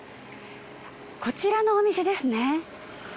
こちらのお店ですね。